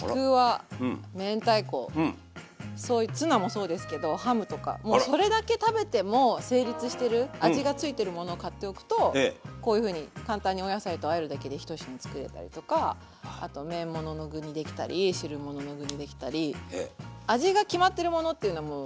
そうだな何かあのもうそれだけ食べても成立してる味がついてるものを買っておくとこういうふうに簡単にお野菜とあえるだけで１品作れたりとかあと麺物の具にできたり汁物の具にできたり味が決まってるものっていうのはもう。